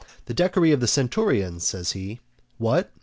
The decury of centurions, says he. What?